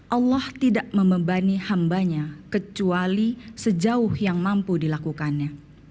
allah tidak membebani hambanya kecuali sejauh yang mampu dilakukannya